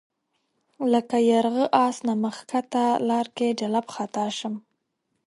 لکه یرغه آس نه مخ ښکته لار کې جلَب خطا شم